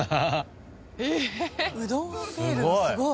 うどんアピールがすごい。